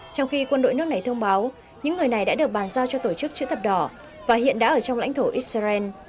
trong khi quân đội nước này thông báo những người này đã được bàn giao cho tổ chức chữ thập đỏ và hiện đã ở trong lãnh thổ israel